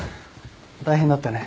大変だったね。